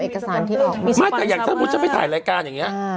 เอกสารที่ออกไม่แต่อย่างสมมุติจะไปถ่ายรายการอย่างเงี้ยอ่า